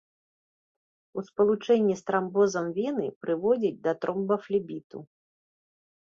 У спалучэнні з трамбозам вены прыводзіць да тромбафлебіту.